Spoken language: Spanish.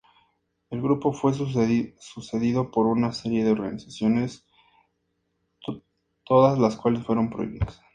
El grupo fue sucedido por una serie de organizaciones, todas las cuales fueron prohibidas.